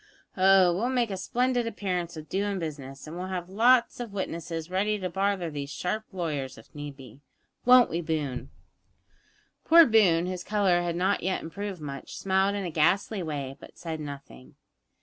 Oh, we'll make a splendid appearance of doin' business, and we'll have lots of witnesses ready to bother these sharp lawyers if need be won't we, Boone?" Poor Boone, whose colour had not yet improved much, smiled in a ghastly way, but said nothing.